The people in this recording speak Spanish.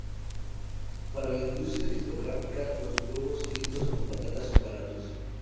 Para la industria discográfica los huevos fritos con patatas son baratos